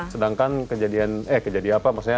sedangkan kejadian eh kejadian apa maksudnya